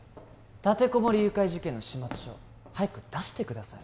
立てこもり誘拐事件の始末書早く出してください